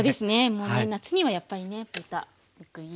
もうね夏にはやっぱりね豚肉いいですよね。